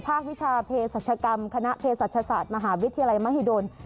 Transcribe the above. วิชาเพศรัชกรรมคณะเพศศาสตร์มหาวิทยาลัยมหิดล